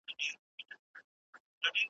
یوه نه ده را سره زر خاطرې دي ,